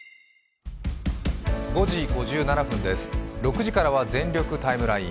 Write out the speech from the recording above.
６時からは「全力タイムライン」